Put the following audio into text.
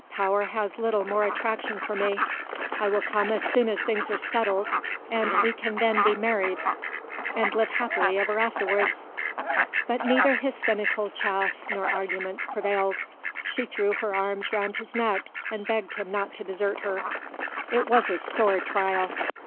Power has little more attraction for me. I will come as soon as things are settled, and we can then be married and live happily ever afterwards." But neither his cynical chaff nor arguments prevailed. She threw her arms round his neck and begged him not to desert her. It was a sore trial.